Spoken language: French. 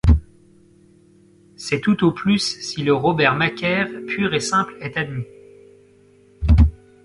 C’est tout au plus si le Robert-Macaire pur et simple est admis.